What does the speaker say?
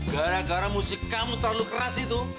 gara gara musik kamu terlalu keras itu